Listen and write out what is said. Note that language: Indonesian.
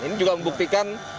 ini juga membuktikan